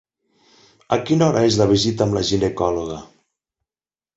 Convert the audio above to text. A quina hora és la visita amb la ginecòloga?